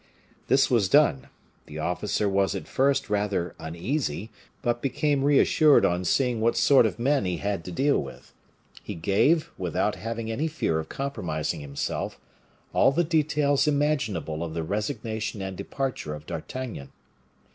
This was done. The officer was at first rather uneasy, but became reassured on seeing what sort of men he had to deal with. He gave, without having any fear of compromising himself, all the details imaginable of the resignation and departure of D'Artagnan.